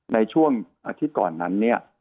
ในช่วงอาทิตย์ก่อนนั้น